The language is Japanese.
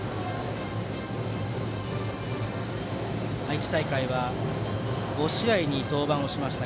愛知大会は５試合に登板をしました